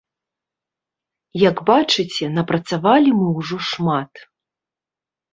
Як бачыце, напрацавалі мы ўжо шмат.